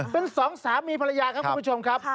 เป็นสามีภรรยาค่ะคุณผู้ชมครับ